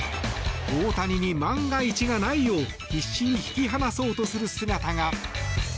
大谷に万が一がないよう必死に引き離そうとする姿が。